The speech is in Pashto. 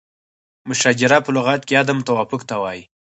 مشاجره په لغت کې عدم توافق ته وایي.